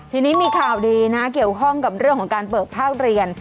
ทีนี้มีข่าวดีนะเกี่ยวข้องกับเรื่องของการเปิดภาคเรียน